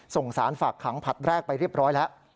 ส่งสารฝากขังผลัดแรกไปเรียบร้อยแล้ว